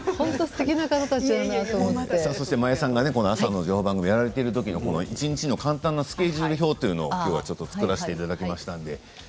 真矢さんが朝の情報番組をやれているときの一日の簡単なスケジュール表を作らせていただきました。